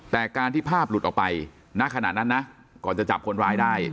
แต่การที่ภาพหลุดออกไปณขณะนั้นนะก่อนจะจับคนร้ายได้